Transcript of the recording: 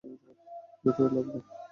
ভেতরে লাফ দাও।